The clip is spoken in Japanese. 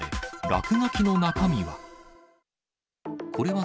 落書きの中身は？